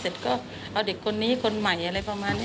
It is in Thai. เสร็จก็เอาเด็กคนนี้คนใหม่อะไรประมาณนี้